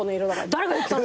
誰が言ってたの？